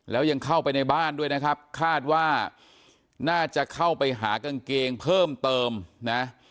แล้วยังเข้าไปในบ้านด้วยนะครับคาดว่าน่าจะเข้าไปหากางเกงเพิ่มเติมนะ